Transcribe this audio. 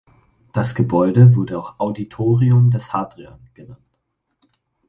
Das Gebäude wurde auch "Auditorium des Hadrian" genannt.